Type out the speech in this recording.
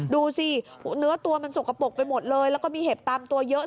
ดูสิเนื้อตัวมันสกปรกไปหมดเลยแล้วก็มีเห็บตามตัวเยอะ